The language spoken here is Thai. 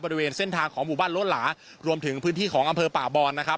บริเวณเส้นทางของหมู่บ้านโลหลารวมถึงพื้นที่ของอำเภอป่าบอนนะครับ